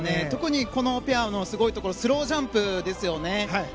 特にこのペアのすごいところスロージャンプですよね。